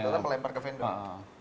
rata rata melempar ke vendor